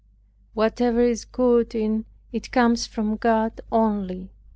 Whatever is good in it comes from God only.